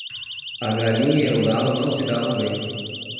A galinha e o galo não se davam bem.